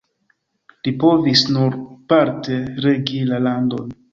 Li povis nur parte regi la landon.